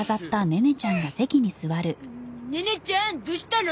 ネネちゃんどしたの？